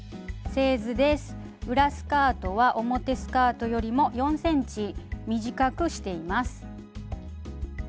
裏スカートは表スカートよりも４ｃｍ短くしています。